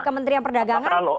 kementerian perdagangan itu